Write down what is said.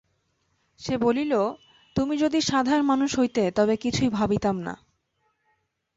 সে বলিল, তুমি যদি সাধারণ মানুষ হইতে তবে কিছুই ভাবিতাম না।